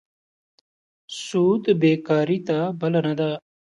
سود بېکارۍ ته بلنه ده.